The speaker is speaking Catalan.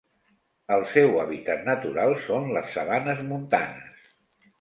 El seu hàbitat natural són les sabanes montanes.